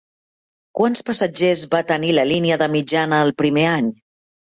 Quants passatgers va tenir la línia de mitjana el primer any?